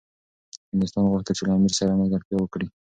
هندوستان غوښتل چي له امیر سره ملګرتیا وکړي.